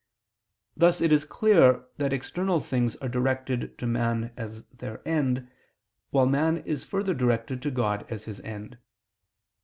Thus it is clear that external things are directed to man as their end, while man is further directed to God as his end.